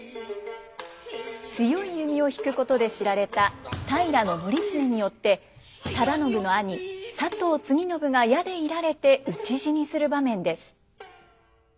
強い弓を引くことで知られた平教経によって忠信の兄佐藤継信が矢で射られて討ち死にする場面です。